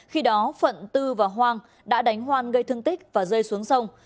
khi đó phượn tư và hoang đã đánh hoan gây thương tích và rơi xuống sông